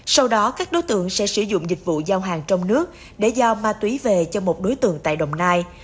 sau đó các đối tượng sẽ sử dụng dịch vụ giao hàng trong nước để giao ma túy về cho một đối tượng tại đồng nai